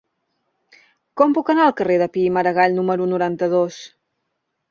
Com puc anar al carrer de Pi i Margall número noranta-dos?